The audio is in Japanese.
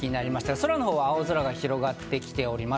空のほうは青空が広がってきております。